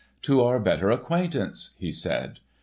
"To our better acquaintance," he said.